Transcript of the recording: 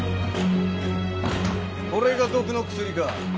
これが毒の薬か。